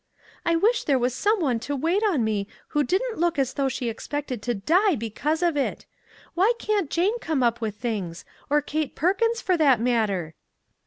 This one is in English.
" I wish there was some one to wait on me who didn't look as though she expected to die be cause of it! Why can't Jane come up with things ? or Kate Perkins, for that matter